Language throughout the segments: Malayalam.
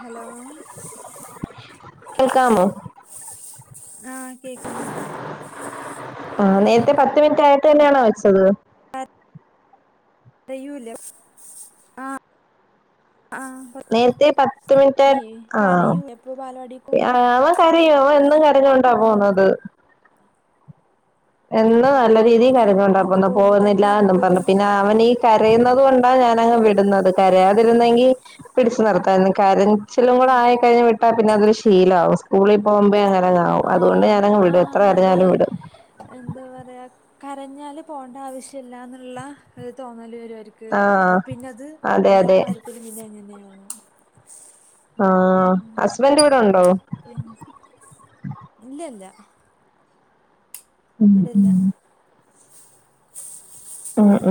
ഹലോ? കേൾക്കാമോ ആഹ് കേക്കുന്നുണ്ട് ആ നേരത്തെ പത്ത് മിനിറ്റ ആയിട്ട് തന്നെയണോ വെച്ചത് അറയൂല ആഹ് ആഹ് നേരത്തെ പത്ത് മിനിറ്റ് അയ് ആഹ് കരയൂ എപ്പോ ബാലവാടിക്ക് പോകുമ്പോ ആഹ കരയോ എന്നും കരഞ്ഞോണ്ട ആഹ് പോന്നത് എന്നും നല്ല ആഹ് രീതിൽ അങ്ങനെ കാരഞ്ഞോണ്ട എന്താ പോകുന്ന പോകുമ്പോ തന്നെ പോകുന്നില്ല എന്നും നമുക്കൊരു പറഞ്ഞ പിന്നെ അവൻ ഈ കരയുന്നത് കൊണ്ടാ ഞനങ്ങു വിടുന്നത് കരയാതിരുന്നെങ്കിൽ പിടിച്ചു നിർത്തായിരുന്നു കരചിലും കൂടെ ആഹ് ആയി കഴിഞ്ഞ് വിട്ടാൽ പിന്നെ അതില് ശീലംആവും സ്കൂളിൽ പോകുമ്പോ അങ്ങ് ആവും അതുകൊണ്ട് ആഹ് ഞാനങ്ങ് വിടും ആഹ് എത്ര അതെ കരഞ്ഞാലും വിടും എന്താ പറയാ കരഞ്ഞാല് പോണ്ട ആവശ്യ ഇല്ല ന്നുള്ള ഒരു തോന്നൽ വരുഅവര്ക് ആ അപ്പ പിന്നെത് അതെ എല്ലാ അതെ കാര്യത്തിലും പിന്നെ എങ്ങനെയാ ആഹ് ഹസ്ബന്റ് ഇവിടെ ഉണ്ടോ? [unintelligible] ഇല്ല ഇല്ല ഉം ഉം. ഉം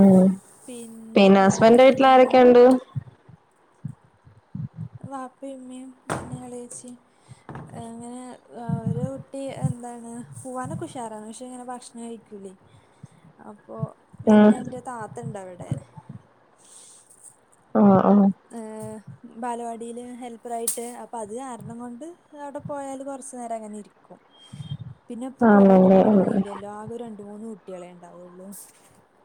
പിന്നെ ഹസ്ബൻന്റെ വീട്ടിൽ വേറെന്താ ആരൊക്കെയുണ്ട് വാപ്പി ഇമ്മി ഇളയിച്ചി എ അങ്ങനെ ഒരു കുട്ടി എന്താണ് പോവാനൊക്കെ ഉഷാറാണ് പക്ഷെ ഇങ്ങനെ ഭക്ഷണം കഴിക്കൂലേ അപ്പൊ ഉം പിന്നെ ന്റെ താത്ത ഇണ്ട് അവിടെ ആഹ് ആഹ് ഏഹ് ബാലവാടിൽ ഹെൽപ്പർ ആായിട്ട് അപ്പൊ അത് കാരണം കൊണ്ട് അധ് അവിടെ പോയാല് കൊറച്ചു നേരം അങ്ങനെ ഇരി രിക്കും [unintelligible] പിന്നെ ഇപ്പൊ കുറെേ ആണല്ലേ കുട്ടികളൊന്നും ഇല്ലല്ലോ ആകെ രണ്ടോ മൂന്നോ കുട്ടികളെ ഉണ്ടാവുള്ളു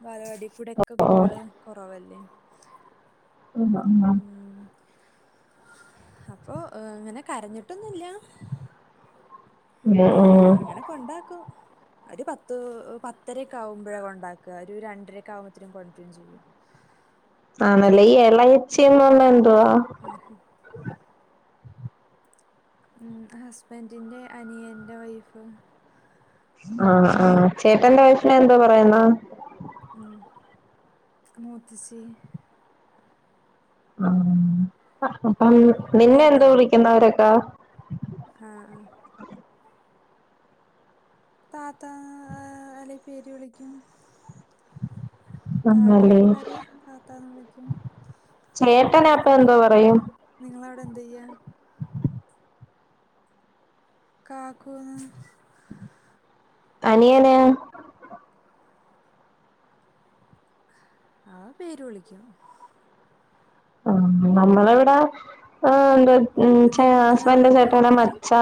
ബാലവാടികുടെ ഒക്കെ ഓഹ് കുട്ടിയാള് കൊറവല്ലേ ഉം ഉം ഉം അപ്പൊ അങ്ങനെ കരഞ്ഞിട്ടൊന്നുല്ല ഏഹ് ഉം അങ്ങനെക്കെയുണ്ടാക്കും ഒരു പത്ത് പത്തരക്കെ ആകുമ്പോഴേ കൊണ്ടാക്ക ഒരു രണ്ടരക്ക ആകുമ്പോതിന്നു കൊണ്ട്രും ചെയ്യും. ആണല്ലേ ഈ ഇളയച്ചിന്ന് പറഞ്ഞന്തുവാ ഏഹ് ഹേ ഉ ഹസ്ബൻറിന്റെ അനിയന്റെ വൈഫ് ആഹ് ആഹ് ചേട്ടന്റെ വൈഫിനെ എന്തോ പറയുന്ന ഉം മൂത്തചി അപ്പം [unintelligible] നിന്നെ എന്തോ കേട്ടോ വിളിക്കുന്നവരൊക്കാ? ആഹ് ആഹ് താതാണ് [unintelligible] അല്ലെങ്കിൽ പേര് വിളിക്കും [inaudible] താഴെയുള്ള ആണല്ലേ ആൾക്കാർ താത്താന്ന് വിളിക്കും ചേട്ടനപോഎന്തോ പറയും നിങ്ങള് അവിടെ എന്തയ്യാ? [unintelligible] കാക്കൂന്ന് അനിയനേ? ആഹ് പേര് വിളിക്കും ആഹ് നമ്മളെ ഇവിടെ ഏഹ് എന്തോ നിങ്ങ ഹസ്ബൻ്റിൻ്റെ അവിടെയോ ചേട്ടനെ ആഹ് മച്ചാ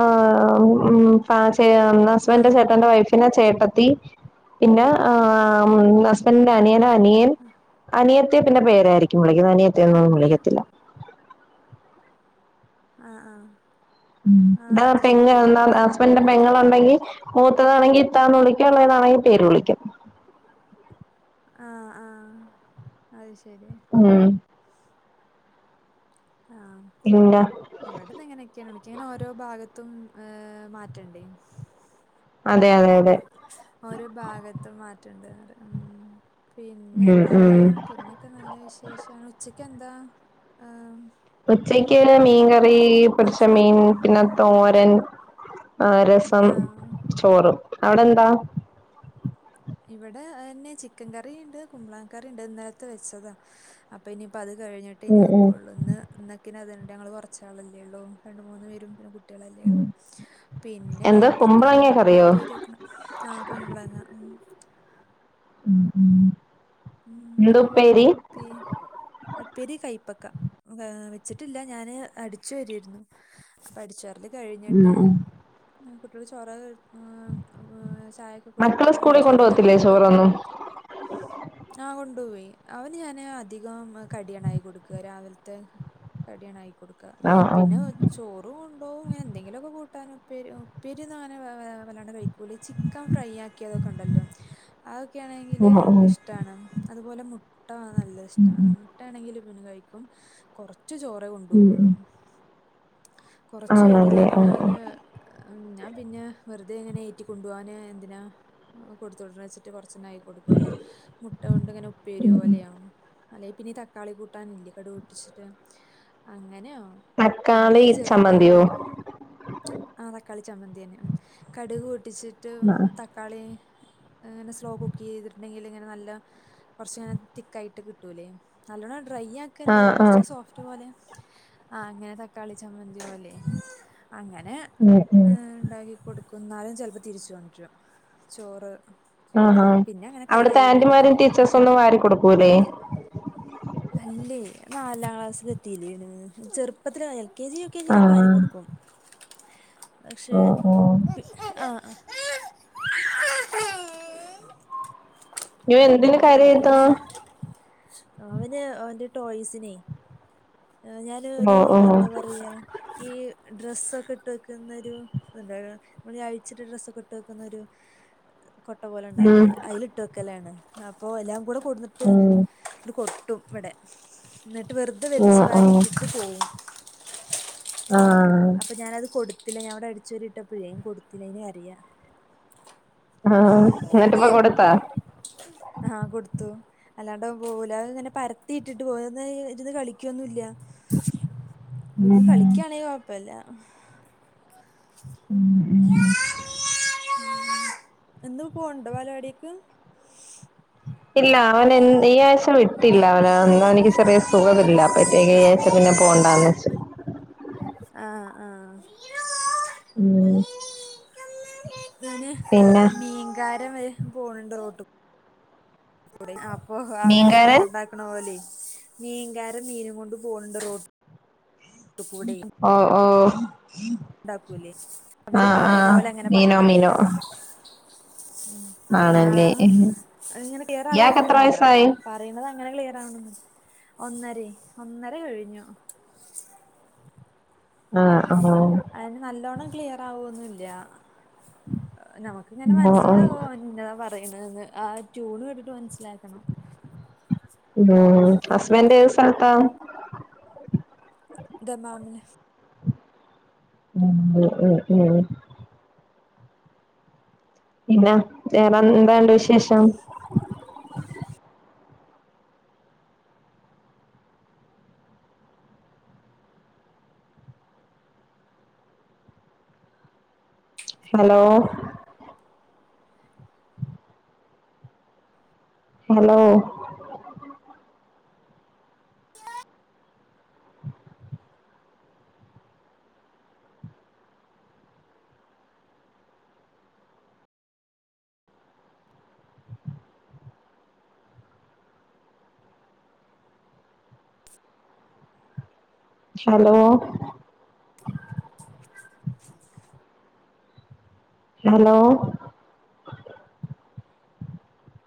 ആഹ് ഉം ചേ ആഹ് ഹസ്ബന്റെ ആഹ് ചേട്ടന്റെ വൈഫ് പിന്നെ ചേട്ടത്തി പിന്നെ ആ മ് ഹസ്ബൻ്റിന്റെ അനിയനൊ അനിയൻ അനിയത്തിയെ പിന്നെ പേരായിരിക്കും വിളിക്കുന്നത് അനിയത്തയൊന്നൊന്നും ആഹ് വിളിക്കത്തില്ല ആഹ് ആഹ് ഉം ആ ഇതാ അത് പെങ്ങ ശരി ഇവിടെ എന്താ പേരന്നെ ഹസ്ബൻ്റിൻ്റെ വിളിക്കുക പെങ്ങളുണ്ടെങ്കിൽ മൂത്തതാണെങ്കി ഇത്താന്ന് വിളിക്കും ഇളയതാണങ്കിൽ പേരു വിളിക്കും ആഹ് ആഹ്അയ് ശരി ഉം ആഹ് പിന്നെ ഇവിടന്ന് ഇങ്ങനെയൊക്കെയാണ് വിളിക്ക ഇങ്ങനെ ഓരോ ഭാഗത്തും ഏഹ് മാറ്റണ്ടെയ് അതെ അതെ അതെ ഓരോ ഭാഗത്തും മാറ്റണ്ട്ന്ന് പറയാ ഉം പിന്നെ ഉം എന്താ ഉം പിന്നെ ഒക്കെ നല്ല വിശേഷാണ് ഉച്ചക്ക് എന്താ ആഹ് ഉച്ചക്ക് മീൻകറി പൊരിച്ച ഭക്ഷണം മീൻ പിന്നെ തോരൻ രസ സം ആ ചോറ് അവിടെ എന്താ ഇവിടെ അയന്നെ ചിക്കൻ കറിണ്ട് കുമ്പളങ്ങ കറി ഇണ്ട് ഇന്നലത്തെ വെച്ചതാ അപ്പൊ ഇനിയിപ്പോ അത് കഴിഞ്ഞി ട്ടയിനി ഉം ഉം വെക്കുള്ളൂ ഇന്ന് ഇന്നക്കിന് അത്ഇണ്ട് ഞങ്ങള് കുറച്ചാളല്ലേ ഉള്ളൂ രണ്ട് മൂന്ന് പേരും പിന്നെ കു കുട്ടികളല്ലേ ഉള്ളൂ പിന്നെ എന്താ കയ്പ്പക്ക കുമ്പളങ്ങ കറിയോ ഉപ്പേരി വെക്കണം ആഹ് കുമ്പളങ്ങ ഉം ഉം ഉം ഉം പി ഉപ്പേരി കൈപ്പക്ക വെച്ചിട്ടില്ല ഞാന് അടിച്ചോരേരുന്നു അപ്പൊ അടിച്ചാ രല് ഉം കഴിഞ്ഞിട്ട് ഉം കുട്ടേൾക്ക് ചോറെകെ ഹ് വ് ചായ കൊടുത്ത് മക്കള് സ്കൂളിൽ കൊണ്ട് അടിച്ചോരല് പോകത്തില്ലേ കഴിഞ്ഞിട്ട് ഉപ്പേരി ചോറൊന്നും വെക്കാച്ചെ ആഹ് കൊണ്ടുപോയ് അവന് ഞാന് അധികം കടിയാണ് ആക്കികൊടുക്ക രാവിലത്തെ കടിയാണ് ആക്കികൊട്ക്ക ആഹ് ആഹ് പിന്നെ ഒ ചോറ് കൊണ്ടോവും ഇങ്ങനെ എന്തെങ്കിലു ഒക്കെ കൂട്ടാന് ഉപ്പേരി ഉപ്പേരി ഒന്നുംഅങ്ങനെ വല്ലാണ്ടെ കഴി ഓല് ചിക്കൻ ഫ്രൈ ആക്കിയതൊക്കെ ഉണ്ടല്ലോ അതൊക്കെയാണെങ്കില് ആഹ് ആഹ് ഇഷ്ടാണ് അതുപോലെ മുട്ട നല്ല ഇഷ്ടാണ് മുട്ടാണെങ്കിൽ പിന്നെ കഴിക്കും കൊറച്ച് ചോറെ ഉം ഉം കൊണ്ടോകൊള്ളൂ കൊറച്ച് ചോറന്ന് ആണല്ലേ ആഹ് ആഹ് പറഞ്ഞാല് ഏഹ് ഞാൻ പിന്നെ വെറുതെ ഇങ്ങനെ ഏറ്റി കൊണ്ടുപോകാൻ എന്തിനാ കൊടുത്തുവിട്ന്ന് വെച്ചി ട്ട് കൊറച്ചൊന്നൊള്ളു ആക്കി കൊടുക്കയുള്ളൂ മുട്ട കൊണ്ട് ഇങ്ങനെ ഉപ്പേരി പോലെയോ അല്ലെ പിന്നെ തക്കാളി കൂട്ടാനില്ലേ കടു പൊട്ടിച്ചിട്ട് അങ്ങനെയോ പിന്നെ തക്കാളി ഈ ചെറുപയറ് ചമ്മന്തിയോ ആഹ് തക്കാളി ചമ്മന്തി തന്നെ ഉം കടുക് പൊട്ടിച്ചിട്ട് ആഹ് ത തക്കാളീ ഏ സ്ലോ കുക്ക് ചെയ്തിട്ടുണ്ടെങ്കിൽ ഇങ്ങനെ നല്ല ല്ല കൊറച്ചിങ്ങനെ തിക്കായിട്ട് കിട്ടൂലെ നല്ലണം ഡ്രൈ ആക്കല്ല ആഹ് കൊറച്ച് ആഹ് സോ ഫ്റ്റ് പോലെ ആഹ് അങ്ങനെ തക്കാളി ചമ്മന്തി പോലെ അങ്ങനെ ഉം ഉം ഏഹ് ഇണ്ടാക്കി കൊടുക്കും ഇന്നാലും ചെലപ്പോ തിരിച്ച് കൊണ്ടരും ചോറ്. ആഹാ പിന്നെ അങ്ങനെ അവിടത്തെ കടിയായി ആന്റിമാരും കൊടുക്കും ടീച്ചേഴ്സും ഒന്നും വാരി കൊടുക്കൂലെ? അല്ലെ നാലാം ക്ലാസ്സില് എത്തിയില്ലെ ചെറുപ്പത്തില് L K G. U K G യിലൊക്കെ ആഹ് വാരികൊടുക്കും. പക്ഷെ ഓഹ് ഓഹ് ആഹ് ആഹ്. ആ യൂ ഉം എന്തിന് കരയിത്താ. പിന്നെ അവന് അവന്റെ ടോയ്സിനെ ഞാൻ ഓ ഒരു ഓ എന്താ പറയാ ഈ ഡ്രസ്സൊക്കെ ഇട്ട് വെക്കുന്നൊരു നമ്മള് ഈ അഴിച്ചിട്ട് ഡ്രസ്സൊക്കെ ഇട്ട് വെക്കുന്നൊരു കൊട്ട ഉം പോലെണ്ടാവില്ലേ അയില് ഇട്ട് വെക്കലാണ് അപ്പൊ എല്ലാം കൂടെ കൊട്ന്ന് ഉം. കൊട്ടും ഇവിടെ എന്നിട്ട് വെറുതെ ഓ വെലിച്ച് ഓ വാരി ഇട്ടിട്ട് പോവും. ആഹ് അപ്പൊ ഞാനത് കൊടുത്തില്ല ഞാൻ ഇവിടെ ച്ചൊരിട്ടപ്പഴേ വേം കൊടുത്തില്ലനി കരയ. ആഹ് എന്നിട്ടിപ്പ കൊടുത്താ ഹ കൊടുത്തു അല്ലാണ്ടവൻ പോവൂൽ ല്ലാതെ ഇങ്ങനെ പരത്തി ഇട്ടിട്ട് പോയോന്ന ഇരുന്ന് കളിക്കുവൊന്നും ഇല്ല. ഇത് ഉം കളിക്കയാണേൽ കുഴപ്പില്ല. ഉം. ഉം എന്നും പോണ്ട ബാലപാടീക്ക്. ഇല്ല അവൻ ഈ ആഴ്ച വിട്ടില്ല അവന് ഇന്നാ എനിക്ക് ചെറിയ സുഖവില്ല അപ്പ തെകയയിച്ചപ്പോ പിന്നെ പോണ്ടന്ന് വെച്ചു. ആഹ് ആഹ്. ഉം. പിന്നെ പിന്നെ മീങ്കാരൻ വരെ പോണിണ്ട് റോട്ട് അപ്പൊ അവര് സൗണ്ട് മീൻകാരൻ ഉണ്ടാക്കണ പോലെ മീൻകാരൻ മീനും കൊണ്ട് പോണിണ്ട് റോട്ട് ട്ട് കൂടെ. ഓ ഓഹ്. ഉണ്ടാക്കൂല്ലേ അവര് പറയണ പോലെ അങ്ങനെ മീനോ പയ്യ മീനോ ഉം. ആണല്ലേ ആഹ് അങ്ങനെ ഇയാക്ക് എത്ര ക്ലിയറാവൊന്നുല്ല. വയസ്സായി പറയുന്നത് അങ്ങനെ ക്ലിയർ ആവണൊന്ന് ഒന്നരെ ഒന്നര കഴിഞ്ഞു. ആഹ് ആഹ്. അയ്ന് നല്ലോണ്ണം ക്ലിയർ ആവോന്നില്ല നമക്കിങ്ങനെ ഓ ഓ മനസ്സിലാവും. ഇന്നതാ പറയണ്ന്ന് ആ ടൂണ് കേട്ടിട്ട് മനസ്സിലാക്കണം. മ് ഹസ്ബൻഡ് ഏത് സ്ഥലത്താ? ദമാമില്. ഉം ഉം ഉം ഹ്. പിന്നെ വേറ എന്താണ്ട് വിശേഷം? ഹലോ? ഹലോ. [unintelligible] Hello [inaudible] hello